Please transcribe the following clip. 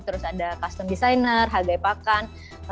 terus ada custom designer hargai pakan